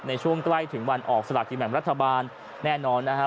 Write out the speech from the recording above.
ในช่วงใกล้ถึงวันออกสละกินแบ่งรัฐบาลแน่นอนนะฮะ